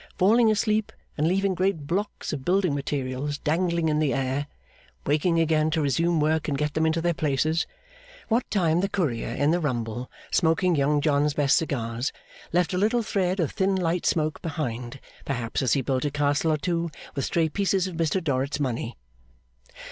Falling asleep, and leaving great blocks of building materials dangling in the air; waking again, to resume work and get them into their places. What time the Courier in the rumble, smoking Young John's best cigars, left a little thread of thin light smoke behind perhaps as he built a castle or two with stray pieces of Mr Dorrit's money.